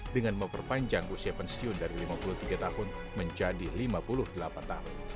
dengan memperpanjang usia pensiun dari lima puluh tiga tahun menjadi lima puluh delapan tahun